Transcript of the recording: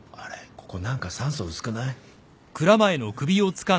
ここ何か酸素薄くない？